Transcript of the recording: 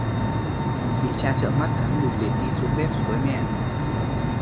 Bị cha trợn mắt, hắn lụt lịt đi xuống bếp với mẹ